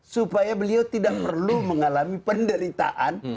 supaya beliau tidak perlu mengalami penderitaan